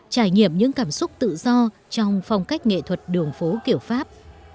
trải nghiệm những cảm xúc tự do trong phong cách nghệ thuật đường phố kiểu pháp